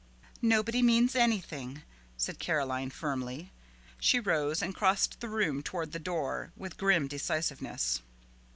"Nobody means anything," said Caroline firmly. She rose and crossed the room toward the door with grim decisiveness.